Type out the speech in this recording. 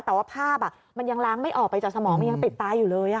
แต่ว่าภาพมันยังล้างไม่ออกไปจากสมองมันยังติดตาอยู่เลย